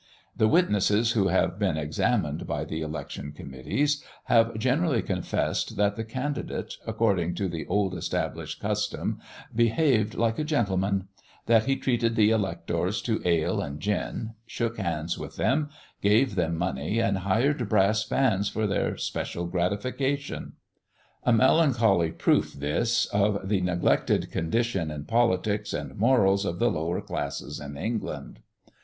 The witnesses who have been examined by the Election Committees have generally confessed, that the candidate, according "to the old established custom," behaved like a "gentleman" that he treated the electors to ale and gin, shook hands with them, gave them money, and hired brass bands for their special gratification. A melancholy proof this of the neglected condition in politics and morals of the lower classes in England.